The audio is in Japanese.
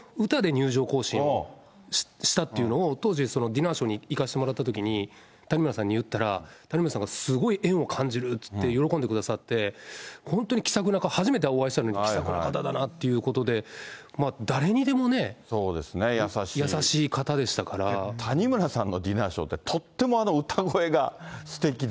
僕、その歌で入場行進をしたっていうのを、当時、ディナーショーに行かせてもらったときに、谷村さんに言ったら、谷村さんがすごい縁を感じるっていって、喜んでくださって、本当に気さくな、初めてお会いしたのに気さくな方だなっていうことで谷村さんのディナーショーっすてきで。